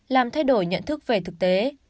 làm thay đổi nhận thức về thực tế